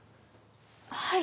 はい。